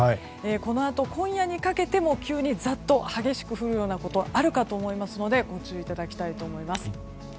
このあと今夜にかけても急にざっと激しく降るようなことがあるかと思いますのでご注意いただきたいと思います。